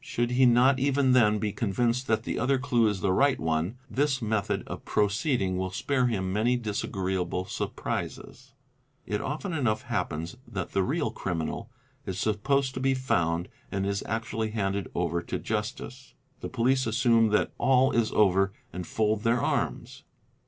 Should he not even then be convinced that the other clue is the mght one, this method _ of proceeding will spare him many disagreeable surprises. It often enough _ happens that the real criminal is supposed to be found and is actually handed over to justice; the police assume that all is over and fold their " i DE MN AB BBLS By te RIVE 2 RW ee me Be arms.